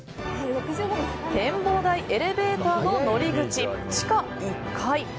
展望台エレベーターの乗り口地下１階。